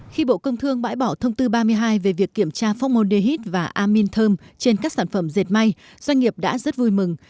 khi bộ công thương bãi bỏ thông tư ba mươi hai về việc kiểm tra phongmon dehid và amin thơm trên các sản phẩm dệt may doanh nghiệp đã rất vui mừng